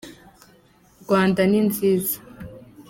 rwanda ni nziza